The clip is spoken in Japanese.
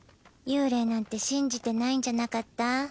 幽霊なんて信じてないんじゃなかった？